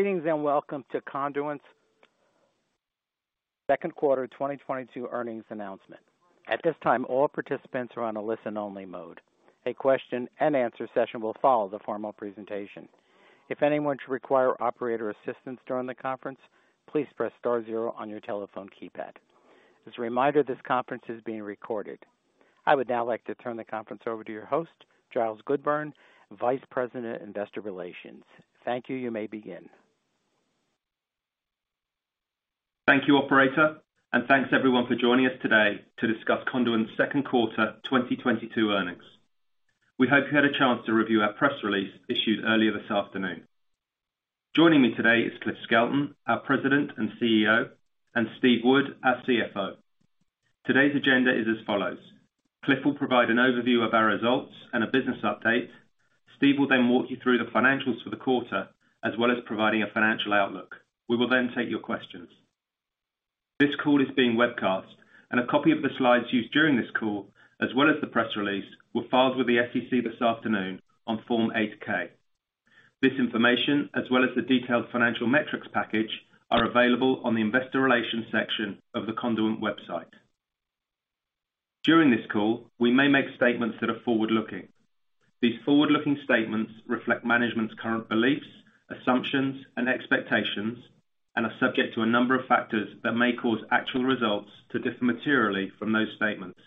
Greetings, and welcome to Conduent's second quarter 2022 earnings announcement. At this time, all participants are on a listen only mode. A question and answer session will follow the formal presentation. If anyone should require operator assistance during the conference, please press star zero on your telephone keypad. As a reminder, this conference is being recorded. I would now like to turn the conference over to your host, Giles Goodburn, Vice President, Investor Relations. Thank you. You may begin. Thank you, operator. Thanks everyone for joining us today to discuss Conduent's second quarter 2022 earnings. We hope you had a chance to review our press release issued earlier this afternoon. Joining me today is Cliff Skelton, our President and CEO, and Steve Wood, our CFO. Today's agenda is as follows. Cliff will provide an overview of our results and a business update. Steve will then walk you through the financials for the quarter, as well as providing a financial outlook. We will then take your questions. This call is being webcast, and a copy of the slides used during this call, as well as the press release, were filed with the SEC this afternoon on Form 8-K. This information, as well as the detailed financial metrics package, are available on the investor relations section of the Conduent website. During this call, we may make statements that are forward-looking. These forward-looking statements reflect management's current beliefs, assumptions, and expectations and are subject to a number of factors that may cause actual results to differ materially from those statements.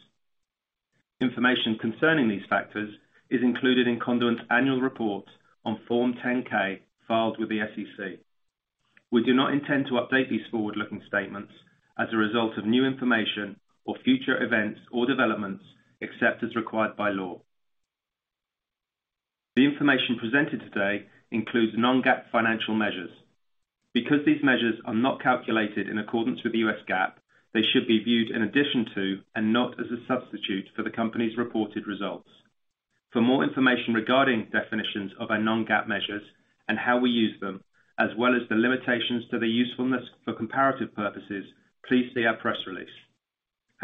Information concerning these factors is included in Conduent's annual report on Form 10-K filed with the SEC. We do not intend to update these forward-looking statements as a result of new information or future events or developments, except as required by law. The information presented today includes non-GAAP financial measures. Because these measures are not calculated in accordance with the U.S. GAAP, they should be viewed in addition to and not as a substitute for the company's reported results. For more information regarding definitions of our non-GAAP measures and how we use them, as well as the limitations to their usefulness for comparative purposes, please see our press release.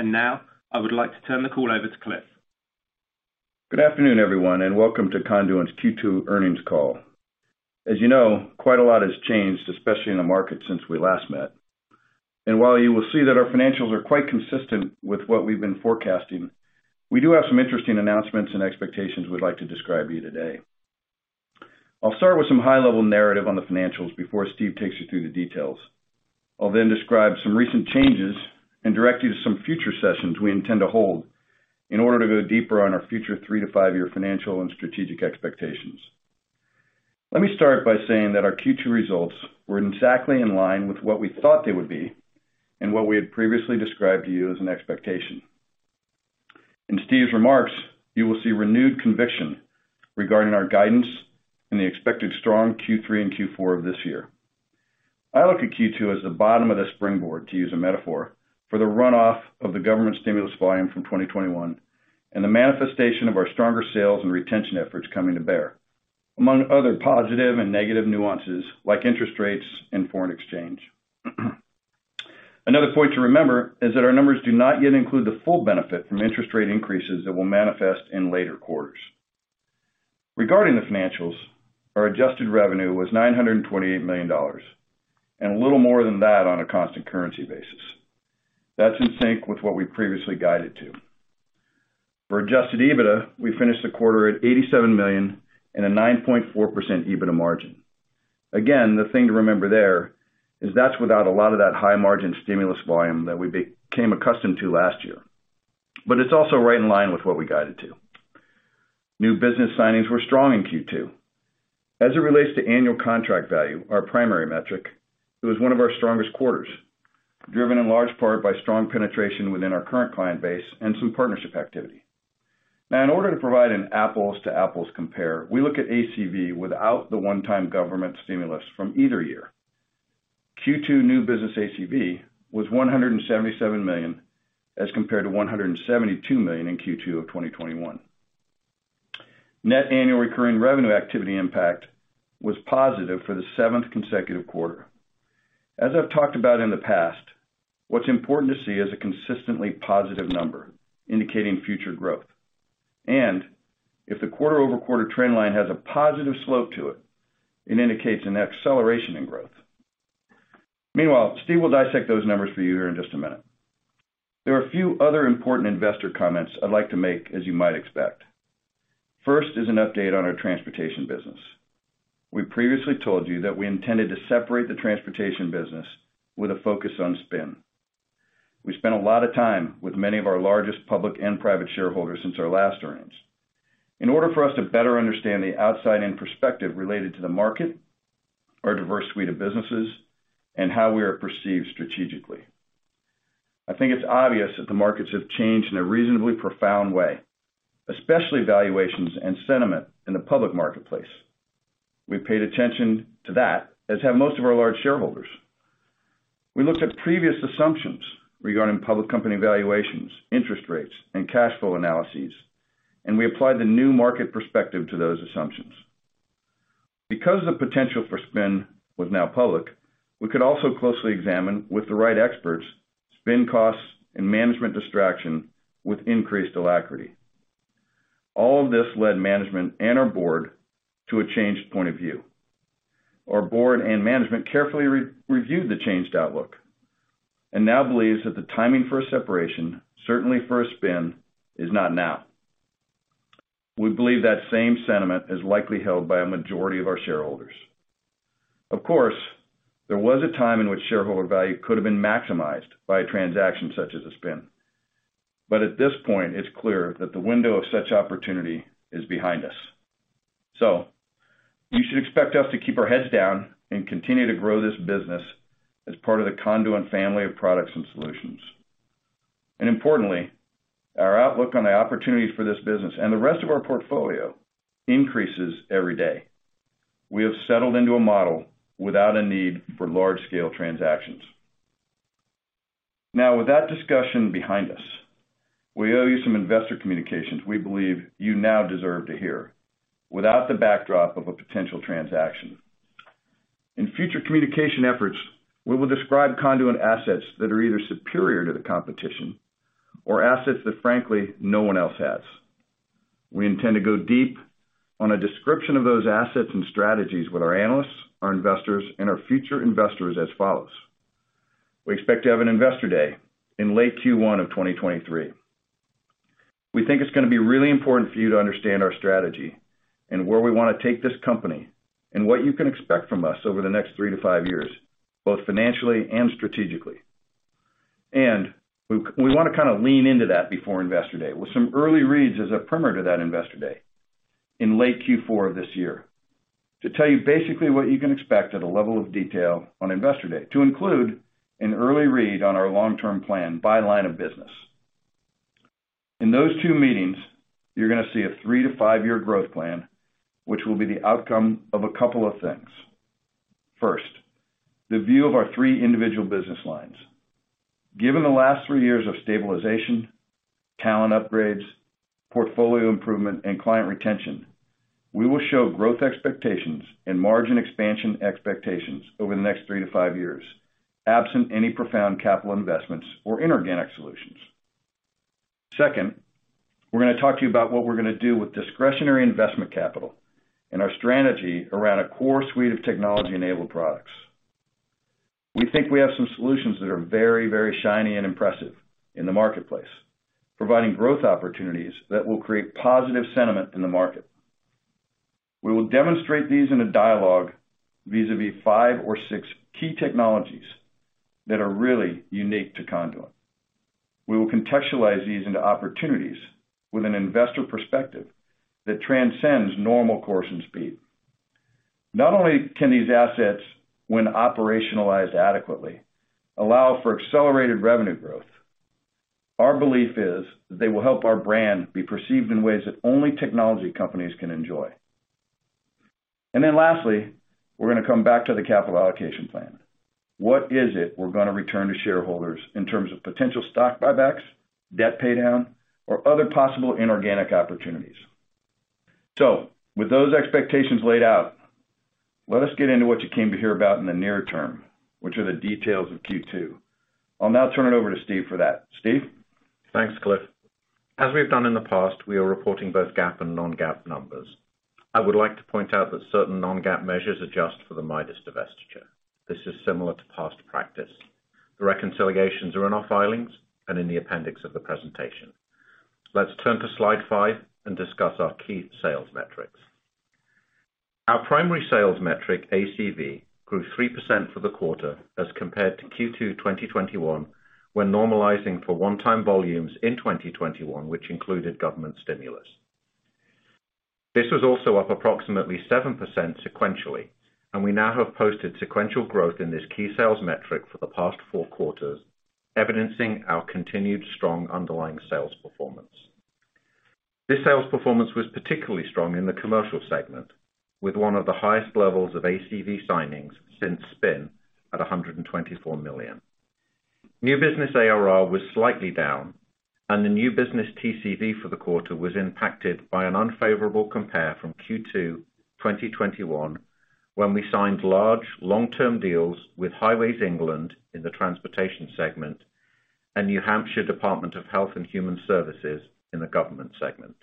Now, I would like to turn the call over to Cliff. Good afternoon, everyone, and welcome to Conduent's Q2 earnings call. As you know, quite a lot has changed, especially in the market since we last met. While you will see that our financials are quite consistent with what we've been forecasting, we do have some interesting announcements and expectations we'd like to describe to you today. I'll start with some high-level narrative on the financials before Steve takes you through the details. I'll then describe some recent changes and direct you to some future sessions we intend to hold in order to go deeper on our future three-to-five-year financial and strategic expectations. Let me start by saying that our Q2 results were exactly in line with what we thought they would be and what we had previously described to you as an expectation. In Steve's remarks, you will see renewed conviction regarding our guidance and the expected strong Q3 and Q4 of this year. I look at Q2 as the bottom of the springboard, to use a metaphor, for the runoff of the government stimulus volume from 2021 and the manifestation of our stronger sales and retention efforts coming to bear, among other positive and negative nuances like interest rates and foreign exchange. Another point to remember is that our numbers do not yet include the full benefit from interest rate increases that will manifest in later quarters. Regarding the financials, our adjusted revenue was $928 million, and a little more than that on a constant currency basis. That's in sync with what we previously guided to. For adjusted EBITDA, we finished the quarter at $87 million and a 9.4% EBITDA margin. Again, the thing to remember there is that's without a lot of that high margin stimulus volume that we became accustomed to last year. It's also right in line with what we guided to. New business signings were strong in Q2. As it relates to Annual Contract Value, our primary metric, it was one of our strongest quarters, driven in large part by strong penetration within our current client base and some partnership activity. Now, in order to provide an apples-to-apples compare, we look at ACV without the one-time government stimulus from either year. Q2 new business ACV was $177 million, as compared to $172 million in Q2 of 2021. Net annual recurring revenue activity impact was positive for the seventh consecutive quarter. As I've talked about in the past, what's important to see is a consistently positive number indicating future growth. If the quarter-over-quarter trend line has a positive slope to it indicates an acceleration in growth. Meanwhile, Steve will dissect those numbers for you here in just a minute. There are a few other important investor comments I'd like to make, as you might expect. First is an update on our transportation business. We previously told you that we intended to separate the transportation business with a focus on spin. We spent a lot of time with many of our largest public and private shareholders since our last earnings in order for us to better understand the outside-in perspective related to the market, our diverse suite of businesses, and how we are perceived strategically. I think it's obvious that the markets have changed in a reasonably profound way, especially valuations and sentiment in the public marketplace. We paid attention to that, as have most of our large shareholders. We looked at previous assumptions regarding public company valuations, interest rates, and cash flow analyses, and we applied the new market perspective to those assumptions. Because the potential for spin was now public, we could also closely examine with the right experts spin costs and management distraction with increased alacrity. All of this led management and our board to a changed point of view. Our board and management carefully re-reviewed the changed outlook and now believes that the timing for a separation, certainly for a spin, is not now. We believe that same sentiment is likely held by a majority of our shareholders. Of course, there was a time in which shareholder value could have been maximized by a transaction such as a spin. At this point, it's clear that the window of such opportunity is behind us. You should expect us to keep our heads down and continue to grow this business as part of the Conduent family of products and solutions. Importantly, our outlook on the opportunities for this business and the rest of our portfolio increases every day. We have settled into a model without a need for large-scale transactions. Now, with that discussion behind us, we owe you some investor communications we believe you now deserve to hear without the backdrop of a potential transaction. In future communication efforts, we will describe Conduent assets that are either superior to the competition or assets that frankly no one else has. We intend to go deep on a description of those assets and strategies with our analysts, our investors, and our future investors as follows. We expect to have an Investor Day in late Q1 of 2023. We think it's gonna be really important for you to understand our strategy and where we wanna take this company, and what you can expect from us over the next three to five years, both financially and strategically. We wanna kind of lean into that before Investor Day, with some early reads as a primer to that Investor Day in late Q4 of this year to tell you basically what you can expect at a level of detail on Investor Day to include an early read on our long-term plan by line of business. In those two meetings, you're gonna see a three to five year growth plan, which will be the outcome of a couple of things. First, the view of our three individual business lines. Given the last three years of stabilization, talent upgrades, portfolio improvement, and client retention, we will show growth expectations and margin expansion expectations over the next three to five years, absent any profound capital investments or inorganic solutions. Second, we're gonna talk to you about what we're gonna do with discretionary investment capital and our strategy around a core suite of technology-enabled products. We think we have some solutions that are very, very shiny and impressive in the marketplace, providing growth opportunities that will create positive sentiment in the market. We will demonstrate these in a dialogue vis-à-vis five or six key technologies that are really unique to Conduent. We will contextualize these into opportunities with an investor perspective that transcends normal course and speed. Not only can these assets, when operationalized adequately, allow for accelerated revenue growth, our belief is that they will help our brand be perceived in ways that only technology companies can enjoy. Then lastly, we're gonna come back to the capital allocation plan. What is it we're gonna return to shareholders in terms of potential stock buybacks, debt paydown, or other possible inorganic opportunities? With those expectations laid out, let us get into what you came to hear about in the near term, which are the details of Q2. I'll now turn it over to Steve for that. Steve? Thanks, Cliff. As we have done in the past, we are reporting both GAAP and non-GAAP numbers. I would like to point out that certain non-GAAP measures adjust for the Midas divestiture. This is similar to past practice. The reconciliations are in our filings and in the appendix of the presentation. Let's turn to slide five and discuss our key sales metrics. Our primary sales metric, ACV, grew 3% for the quarter as compared to Q2 2021, when normalizing for one-time volumes in 2021, which included government stimulus. This was also up approximately 7% sequentially, and we now have posted sequential growth in this key sales metric for the past four quarters, evidencing our continued strong underlying sales performance. This sales performance was particularly strong in the commercial segment, with one of the highest levels of ACV signings since spin at $124 million. New business ARR was slightly down, and the new business TCV for the quarter was impacted by an unfavorable compare from Q2 2021, when we signed large long-term deals with Highways England in the transportation segment and New Hampshire Department of Health and Human Services in the government segment.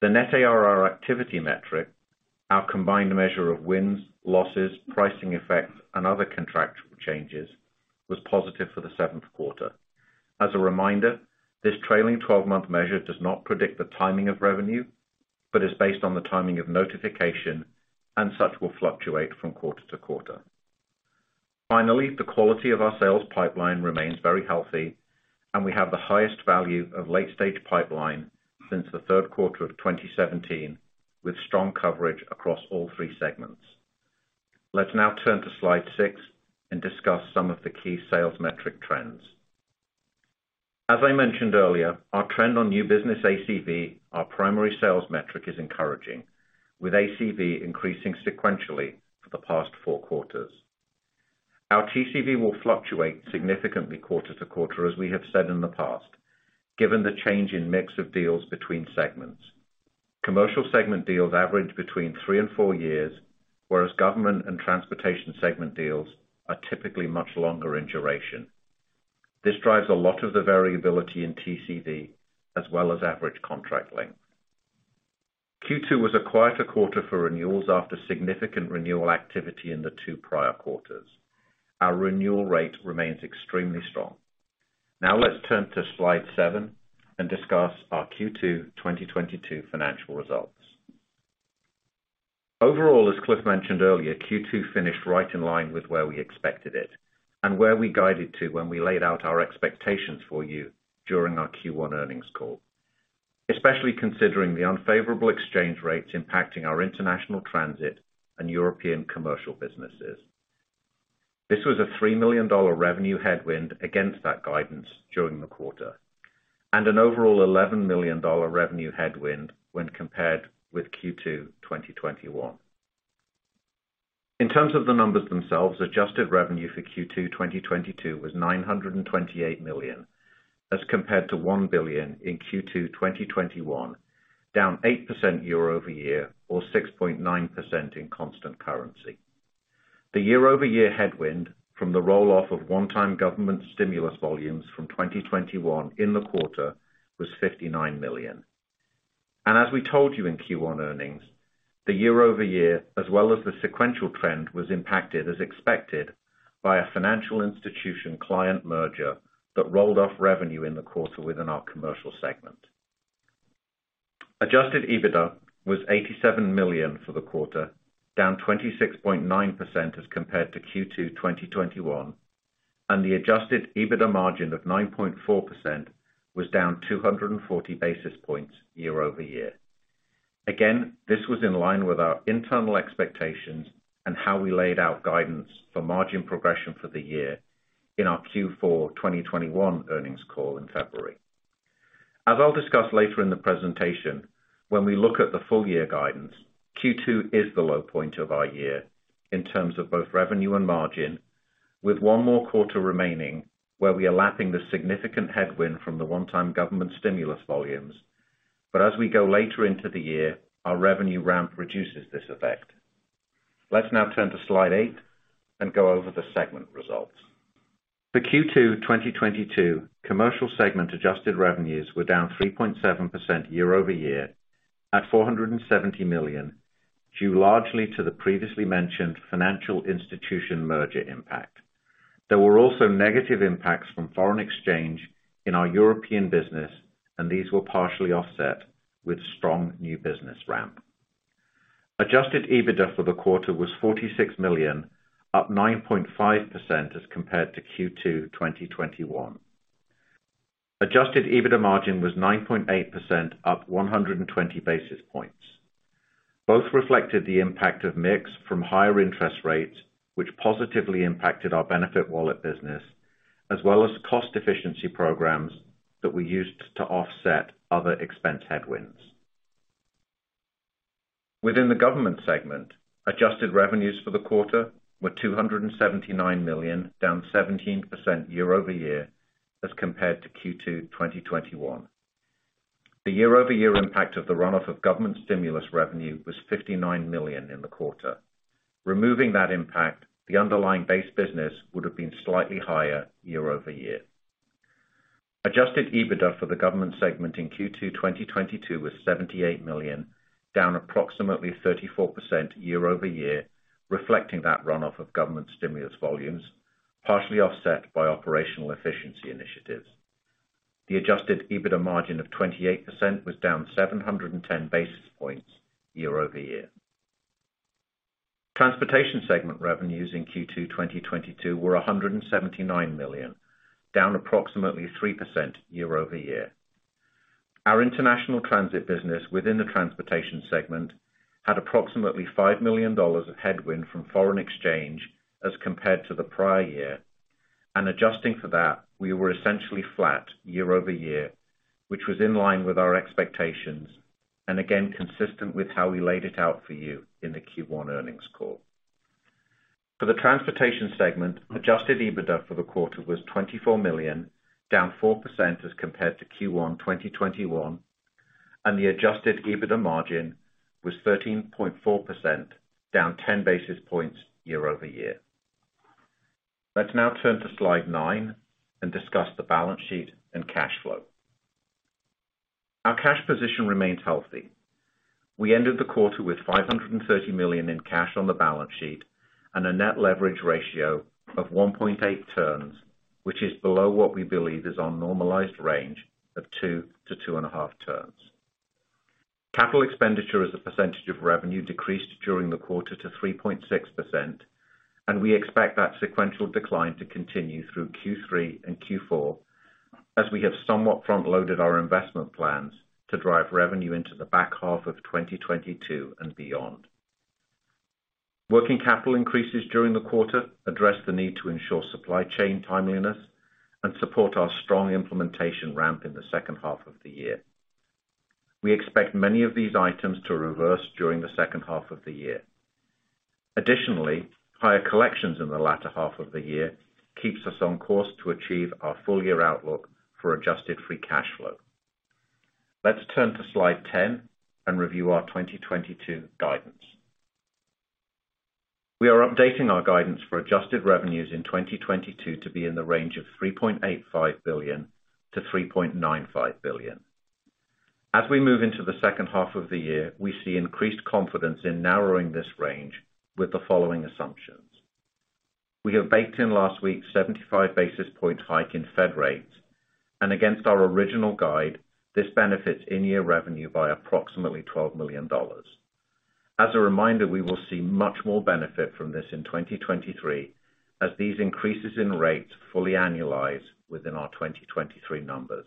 The net ARR activity metric, our combined measure of wins, losses, pricing effects, and other contractual changes, was positive for the seventh quarter. As a reminder, this trailing twelve-month measure does not predict the timing of revenue but is based on the timing of notification and such will fluctuate from quarter to quarter. Finally, the quality of our sales pipeline remains very healthy, and we have the highest value of late-stage pipeline since the third quarter of 2017, with strong coverage across all three segments. Let's now turn to slide six and discuss some of the key sales metric trends. As I mentioned earlier, our trend on new business ACV, our primary sales metric, is encouraging, with ACV increasing sequentially for the past four quarters. Our TCV will fluctuate significantly quarter to quarter, as we have said in the past, given the change in mix of deals between segments. Commercial segment deals average between three and four years, whereas government and transportation segment deals are typically much longer in duration. This drives a lot of the variability in TCV as well as average contract length. Q2 was a quieter quarter for renewals after significant renewal activity in the two prior quarters. Our renewal rate remains extremely strong. Now let's turn to slide seven and discuss our Q2 2022 financial results. Overall, as Cliff mentioned earlier, Q2 finished right in line with where we expected it and where we guided to when we laid out our expectations for you during our Q1 earnings call, especially considering the unfavorable exchange rates impacting our international transit and European commercial businesses. This was a $3 million revenue headwind against that guidance during the quarter, and an overall $11 million revenue headwind when compared with Q2 2021. In terms of the numbers themselves, adjusted revenue for Q2 2022 was $928 million, as compared to $1 billion in Q2 2021, down 8% year-over-year or 6.9% in constant currency. The year-over-year headwind from the roll-off of one-time government stimulus volumes from 2021 in the quarter was $59 million. As we told you in Q1 earnings, the year-over-year as well as the sequential trend was impacted as expected by a financial institution client merger that rolled off revenue in the quarter within our commercial segment. Adjusted EBITDA was $87 million for the quarter, down 26.9% as compared to Q2 2021, and the adjusted EBITDA margin of 9.4% was down 240 basis points year-over-year. This was in line with our internal expectations and how we laid out guidance for margin progression for the year in our Q4 2021 earnings call in February. As I'll discuss later in the presentation, when we look at the full year guidance, Q2 is the low point of our year in terms of both revenue and margin, with one more quarter remaining where we are lapping the significant headwind from the one-time government stimulus volumes. As we go later into the year, our revenue ramp reduces this effect. Let's now turn to slide eight and go over the segment results. For Q2 2022, commercial segment adjusted revenues were down 3.7% year-over-year at $470 million, due largely to the previously mentioned financial institution merger impact. There were also negative impacts from foreign exchange in our European business, and these were partially offset with strong new business ramp. Adjusted EBITDA for the quarter was $46 million, up 9.5% as compared to Q2 2021. Adjusted EBITDA margin was 9.8%, up 120 basis points. Both reflected the impact of mix from higher interest rates, which positively impacted our BenefitWallet business, as well as cost efficiency programs that we used to offset other expense headwinds. Within the government segment, adjusted revenues for the quarter were $279 million, down 17% year-over-year as compared to Q2 2021. The year-over-year impact of the runoff of government stimulus revenue was $59 million in the quarter. Removing that impact, the underlying base business would have been slightly higher year-over-year. Adjusted EBITDA for the government segment in Q2 2022 was $78 million, down approximately 34% year-over-year, reflecting that runoff of government stimulus volumes, partially offset by operational efficiency initiatives. The adjusted EBITDA margin of 28% was down 710 basis points year-over-year. Transportation segment revenues in Q2 2022 were $179 million, down approximately 3% year-over-year. Our international transit business within the transportation segment had approximately $5 million of headwind from foreign exchange as compared to the prior year. Adjusting for that, we were essentially flat year-over-year, which was in line with our expectations, and again, consistent with how we laid it out for you in the Q1 earnings call. For the transportation segment, adjusted EBITDA for the quarter was $24 million, down 4% as compared to Q1 2021, and the adjusted EBITDA margin was 13.4%, down 10 basis points year-over-year. Let's now turn to slide nine and discuss the balance sheet and cash flow. Our cash position remains healthy. We ended the quarter with $530 million in cash on the balance sheet and a net leverage ratio of 1.8 turns, which is below what we believe is our normalized range of 2-2.5 turns. Capital expenditure as a percentage of revenue decreased during the quarter to 3.6%, and we expect that sequential decline to continue through Q3 and Q4 as we have somewhat front-loaded our investment plans to drive revenue into the back half of 2022 and beyond. Working capital increases during the quarter address the need to ensure supply chain timeliness and support our strong implementation ramp in the second half of the year. We expect many of these items to reverse during the second half of the year. Additionally, higher collections in the latter half of the year keeps us on course to achieve our full year outlook for adjusted free cash flow. Let's turn to slide 10 and review our 2022 guidance. We are updating our guidance for adjusted revenues in 2022 to be in the range of $3.85 billion-$3.95 billion. As we move into the second half of the year, we see increased confidence in narrowing this range with the following assumptions. We have baked in last week's 75 basis points hike in Fed rates, and against our original guide, this benefits in-year revenue by approximately $12 million. As a reminder, we will see much more benefit from this in 2023 as these increases in rates fully annualize within our 2023 numbers.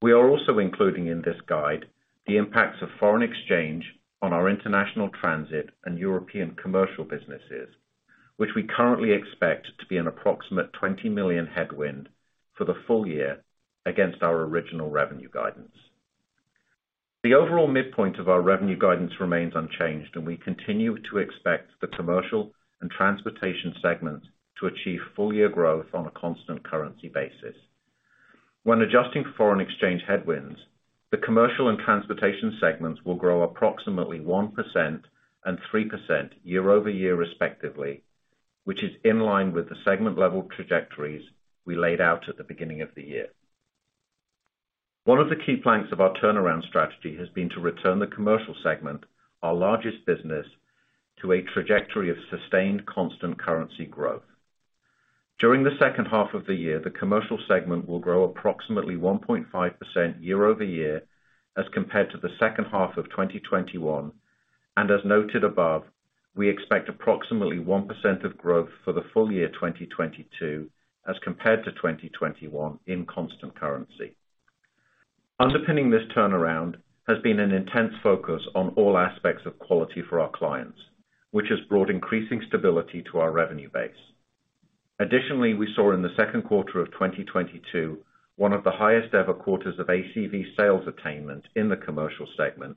We are also including in this guide the impacts of foreign exchange on our international transit and European commercial businesses, which we currently expect to be an approximate $20 million headwind for the full year against our original revenue guidance. The overall midpoint of our revenue guidance remains unchanged, and we continue to expect the commercial and transportation segment to achieve full-year growth on a constant currency basis. When adjusting for foreign exchange headwinds, the commercial and transportation segments will grow approximately 1% and 3% year-over-year, respectively, which is in line with the segment-level trajectories we laid out at the beginning of the year. One of the key planks of our turnaround strategy has been to return the commercial segment, our largest business, to a trajectory of sustained constant currency growth. During the second half of the year, the commercial segment will grow approximately 1.5% year-over-year as compared to the second half of 2021. As noted above, we expect approximately 1% of growth for the full year 2022 as compared to 2021 in constant currency. Underpinning this turnaround has been an intense focus on all aspects of quality for our clients, which has brought increasing stability to our revenue base. Additionally, we saw in the second quarter of 2022 one of the highest ever quarters of ACV sales attainment in the commercial segment,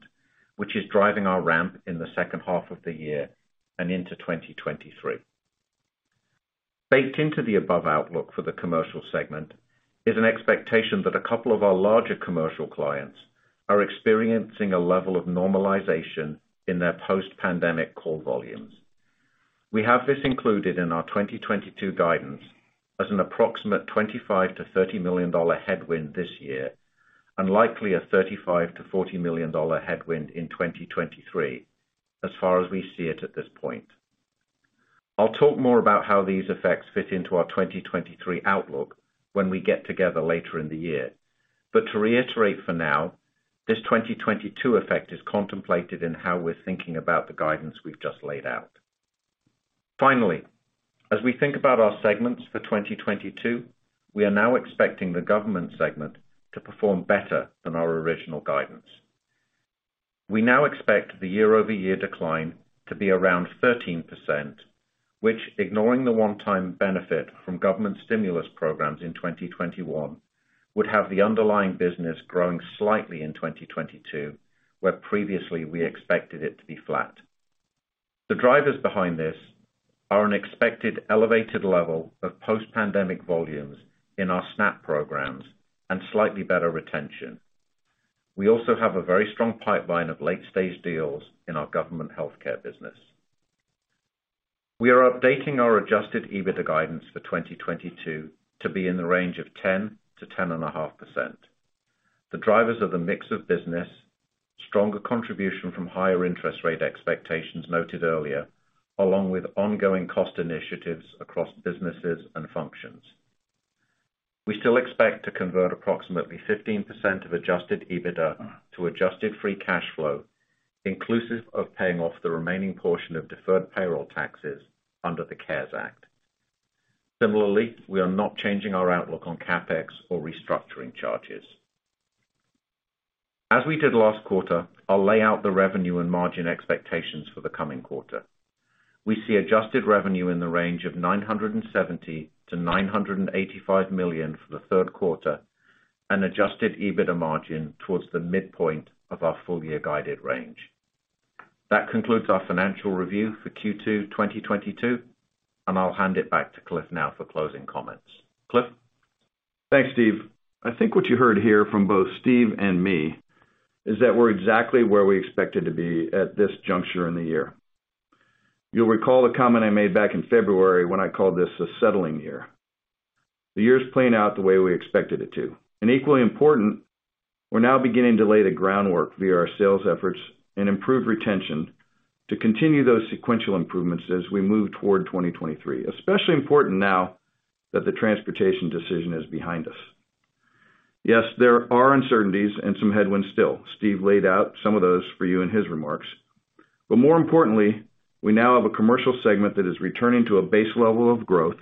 which is driving our ramp in the second half of the year and into 2023. Baked into the above outlook for the commercial segment is an expectation that a couple of our larger commercial clients are experiencing a level of normalization in their post-pandemic call volumes. We have this included in our 2022 guidance as an approximate $25 million-$30 million headwind this year, and likely a $35 million-$40 million headwind in 2023 as far as we see it at this point. I'll talk more about how these effects fit into our 2023 outlook when we get together later in the year. To reiterate for now, this 2022 effect is contemplated in how we're thinking about the guidance we've just laid out. Finally, as we think about our segments for 2022, we are now expecting the government segment to perform better than our original guidance. We now expect the year-over-year decline to be around 13%, which, ignoring the one-time benefit from government stimulus programs in 2021, would have the underlying business growing slightly in 2022, where previously we expected it to be flat. The drivers behind this are an expected elevated level of post-pandemic volumes in our SNAP programs and slightly better retention. We also have a very strong pipeline of late-stage deals in our government healthcare business. We are updating our adjusted EBITDA guidance for 2022 to be in the range of 10%-10.5%. The drivers of the mix of business, stronger contribution from higher interest rate expectations noted earlier, along with ongoing cost initiatives across businesses and functions. We still expect to convert approximately 15% of adjusted EBITDA to adjusted free cash flow, inclusive of paying off the remaining portion of deferred payroll taxes under the CARES Act. Similarly, we are not changing our outlook on CapEx or restructuring charges. As we did last quarter, I'll lay out the revenue and margin expectations for the coming quarter. We see adjusted revenue in the range of $970 million-$985 million for the third quarter, an adjusted EBITDA margin towards the midpoint of our full year guided range. That concludes our financial review for Q2 2022, and I'll hand it back to Cliff now for closing comments. Cliff? Thanks, Steve. I think what you heard here from both Steve and me is that we're exactly where we expected to be at this juncture in the year. You'll recall the comment I made back in February when I called this a settling year. The year is playing out the way we expected it to. Equally important, we're now beginning to lay the groundwork via our sales efforts and improve retention to continue those sequential improvements as we move toward 2023, especially important now that the transportation decision is behind us. Yes, there are uncertainties and some headwinds still. Steve laid out some of those for you in his remarks. More importantly, we now have a commercial segment that is returning to a base level of growth.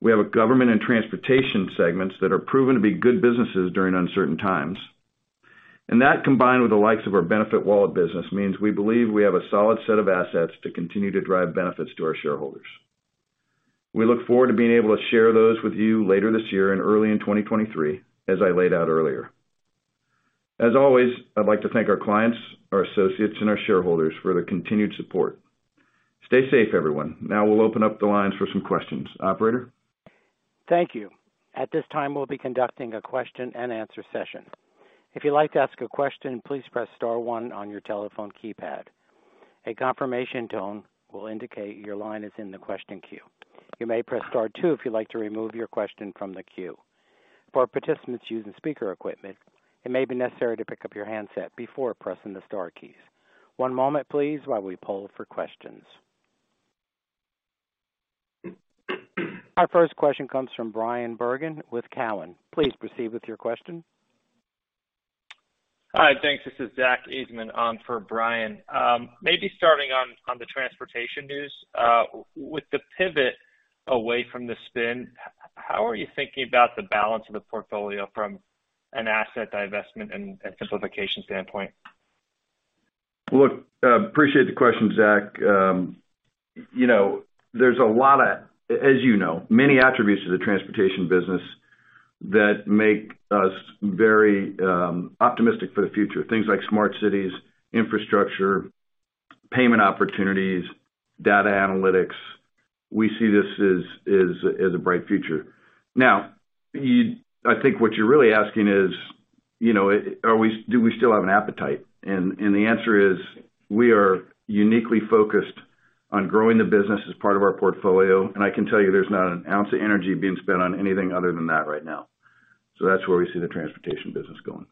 We have a government and transportation segments that are proven to be good businesses during uncertain times. That, combined with the likes of our BenefitWallet business, means we believe we have a solid set of assets to continue to drive benefits to our shareholders. We look forward to being able to share those with you later this year and early in 2023, as I laid out earlier. As always, I'd like to thank our clients, our associates, and our shareholders for their continued support. Stay safe, everyone. Now we'll open up the lines for some questions. Operator? Thank you. At this time, we'll be conducting a question and answer session. If you'd like to ask a question, please press star one on your telephone keypad. A confirmation tone will indicate your line is in the question queue. You may press star two if you'd like to remove your question from the queue. For participants using speaker equipment, it may be necessary to pick up your handset before pressing the star keys. One moment please while we poll for questions. Our first question comes from Bryan Bergin with Cowen. Please proceed with your question. Hi. Thanks. This is Zack Ajzenman on for Bryan. Maybe starting on the transportation news. With the pivot away from the spin, how are you thinking about the balance of the portfolio from an asset divestment and simplification standpoint? Look, appreciate the question, Zack. You know, as you know, there's a lot of many attributes to the transportation business that make us very optimistic for the future. Things like smart cities, infrastructure, payment opportunities, data analytics. We see this as a bright future. Now, I think what you're really asking is, you know, do we still have an appetite? The answer is we are uniquely focused on growing the business as part of our portfolio, and I can tell you there's not an ounce of energy being spent on anything other than that right now. That's where we see the transportation business going.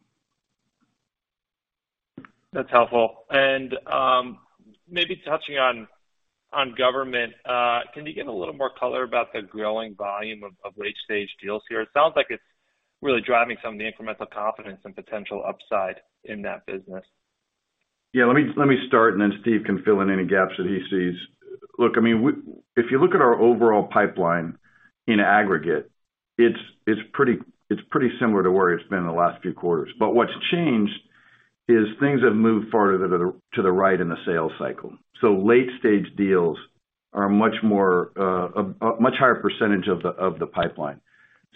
That's helpful. Maybe touching on government, can you give a little more color about the growing volume of late stage deals here? It sounds like it's really driving some of the incremental confidence and potential upside in that business. Yeah, let me start, and then Steve can fill in any gaps that he sees. Look, I mean, if you look at our overall pipeline in aggregate, it's pretty similar to where it's been in the last few quarters. But what's changed is things have moved farther to the right in the sales cycle. So late stage deals are much more a much higher percentage of the pipeline.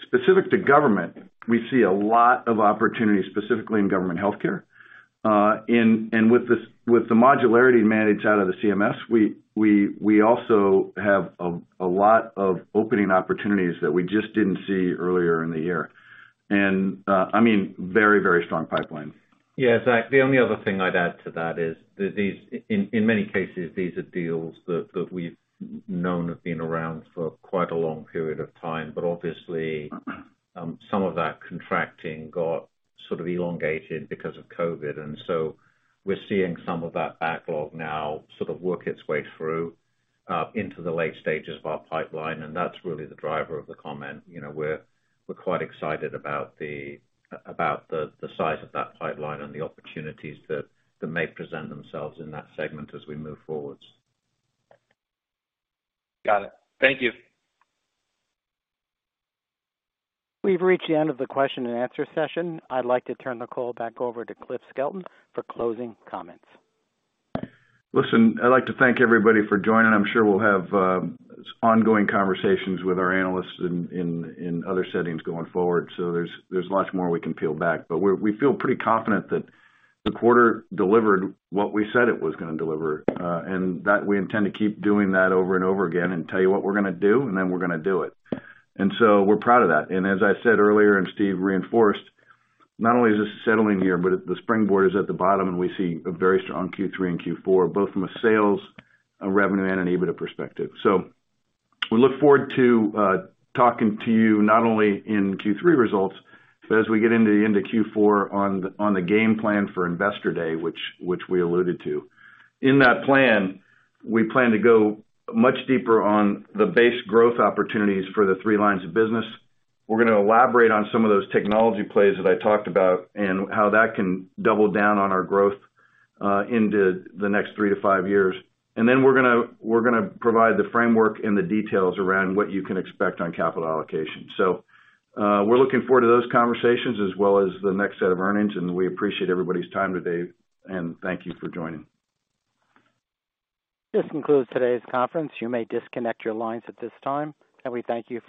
Specific to government, we see a lot of opportunities, specifically in government healthcare, and with the modularity mandate out of the CMS, we also have a lot of opening opportunities that we just didn't see earlier in the year. I mean, very strong pipeline. Yeah, Zack, the only other thing I'd add to that is, in many cases, these are deals that we've known have been around for quite a long period of time. Obviously, some of that contracting got sort of elongated because of COVID, and so we're seeing some of that backlog now sort of work its way through into the late stages of our pipeline, and that's really the driver of the comment. You know, we're quite excited about the size of that pipeline and the opportunities that may present themselves in that segment as we move forwards. Got it. Thank you. We've reached the end of the question and answer session. I'd like to turn the call back over to Cliff Skelton for closing comments. Listen, I'd like to thank everybody for joining. I'm sure we'll have ongoing conversations with our analysts in other settings going forward, so there's lots more we can peel back. We feel pretty confident that the quarter delivered what we said it was gonna deliver, and that we intend to keep doing that over and over again and tell you what we're gonna do, and then we're gonna do it. We're proud of that. As I said earlier, and Steve reinforced, not only is this a settling year, but the springboard is at the bottom, and we see a very strong Q3 and Q4, both from a sales, a revenue, and an EBITDA perspective. We look forward to talking to you not only in Q3 results, but as we get into Q4 on the game plan for Investor Day, which we alluded to. In that plan, we plan to go much deeper on the base growth opportunities for the three lines of business. We're gonna elaborate on some of those technology plays that I talked about and how that can double down on our growth into the next three to five years. We're gonna provide the framework and the details around what you can expect on capital allocation. We're looking forward to those conversations as well as the next set of earnings, and we appreciate everybody's time today, and thank you for joining. This concludes today's conference. You may disconnect your lines at this time, and we thank you for your participation.